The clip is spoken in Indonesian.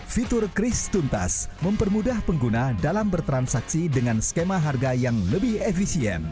fitur kris tuntas mempermudah pengguna dalam bertransaksi dengan skema harga yang lebih efisien